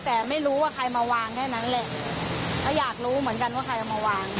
แต่ไม่รู้ว่าใครมาวางแค่นั้นแหละก็อยากรู้เหมือนกันว่าใครเอามาวาง